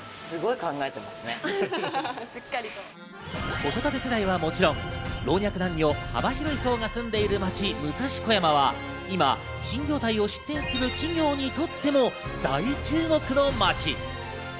子育て世代はもちろん、老若男女、幅広い層が住んでいる街・武蔵小山は今、新業態を出店する企業にとっても大注目の街。